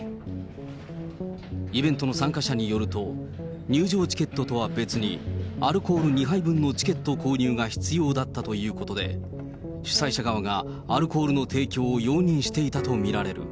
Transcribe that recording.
イベントの参加者によると、入場チケットとは別に、アルコール２杯分のチケット購入が必要だったということで、主催者側がアルコールの提供を容認していたと見られる。